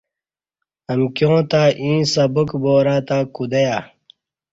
امکیاں تہ ییں سبق بارہ تہ کود یہ